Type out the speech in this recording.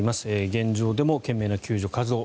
現状でも懸命な救助活動